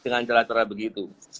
dengan cara cara begitu